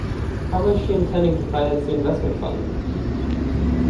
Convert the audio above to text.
How is she intending to finance the investment fund?